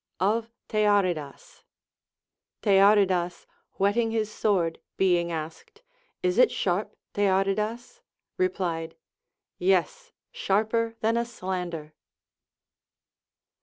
Of Thearidas. Thearidas Λvhetting his sword, being asked. Is it sharp, Thearidas "J replied, Yes, sharper than a slander.